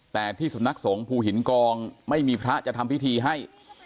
แต่ที่สำนักสงภูหินกองไม่มีพระจะทำพิธีให้